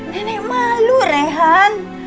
nenek malu rehan